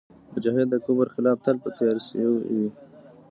مجاهد د کفر خلاف تل په تیارسئ وي.